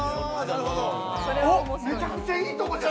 めちゃくちゃいいところじゃない？